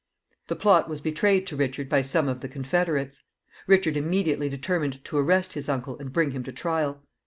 The plot was betrayed to Richard by some of the confederates. Richard immediately determined to arrest his uncle and bring him to trial.